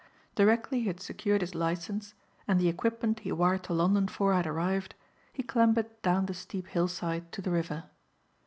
Directly he had secured his license, and the equipment he wired to London for had arrived, he clambered down the steep hill side to the river.